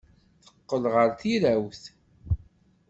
Teqqel ɣer tirawt.